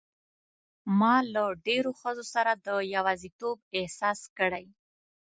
ما له ډېرو ښځو سره د یوازیتوب احساس کړی.